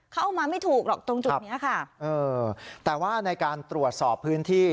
เข้ามาไม่ถูกหรอกตรงจุดเนี้ยค่ะเออแต่ว่าในการตรวจสอบพื้นที่